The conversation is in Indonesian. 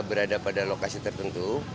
berada pada lokasi tertentu